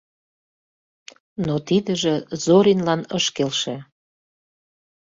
Но тидыже Зоринлан ыш келше.